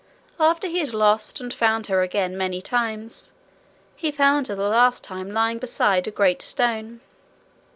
After he had lost and found her again many times, he found her the last time lying beside a great stone.